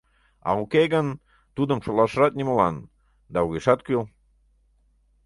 А уке гын, тудым шотлашыжат нимолан, да огешат кӱл.